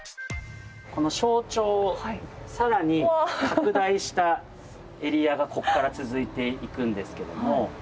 この小腸をさらに拡大したエリアがここから続いていくんですけども。